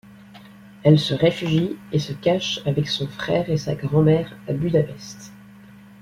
Elle se réfugie et se cache avec son frère et sa grand-mère à Budapest.